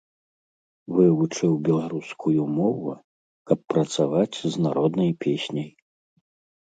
Вывучыў беларускую мову, каб працаваць з народнай песняй.